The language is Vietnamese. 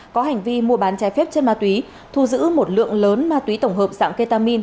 có hành vi mua bán trái phép chất ma túy thu giữ một lượng lớn ma túy tổng hợp dạng ketamin